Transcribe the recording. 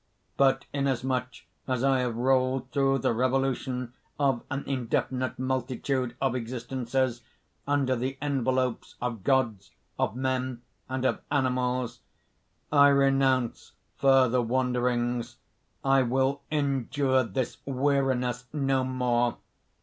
"But inasmuch as I have rolled through the revolution of an indefinite multitude of existences, under the envelopes of gods, of men, and of animals, I renounce further wanderings; I will endure this weariness no more!